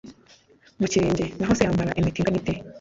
mu kirenge ? naho se yambara impeta ingana ite ?